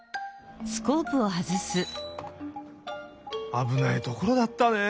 あぶないところだったね。